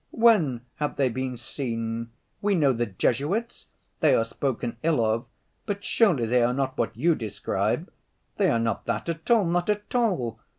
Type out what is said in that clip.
When have they been seen? We know the Jesuits, they are spoken ill of, but surely they are not what you describe? They are not that at all, not at all....